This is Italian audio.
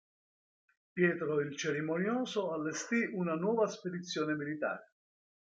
Pietro il Cerimonioso allestì una nuova spedizione militare.